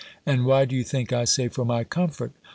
And why do you think I say _for my comfort?